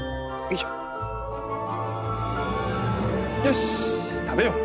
よし食べよう。